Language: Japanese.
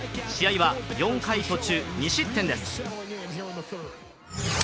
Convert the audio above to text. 試合は４回途中２失点です。